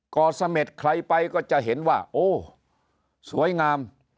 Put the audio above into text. กศใครไปก็จะเห็นว่าโอ้สวยงาม